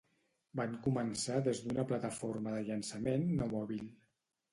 Van començar des d'una plataforma de llançament no mòbil.